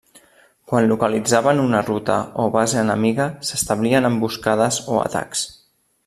Quan localitzaven una ruta o base enemiga s'establien emboscades o atacs.